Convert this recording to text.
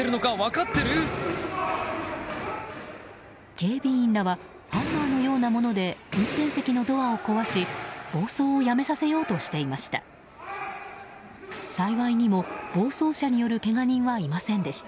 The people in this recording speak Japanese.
警備員らはハンマーのようなもので運転席のドアを壊し暴走をやめさせようとしていました。